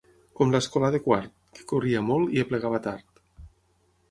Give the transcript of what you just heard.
Com l'escolà de Quart, que corria molt i aplegava tard.